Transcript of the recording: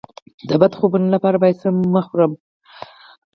د بد خوبونو لپاره باید څه مه خورم؟